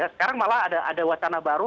sekarang malah ada wacana baru